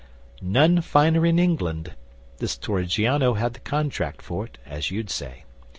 'None finer in England. This Torrigiano had the contract for it, as you'd say.